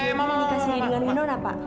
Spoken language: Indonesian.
pada keadaan nikah sendiri dengan minona pak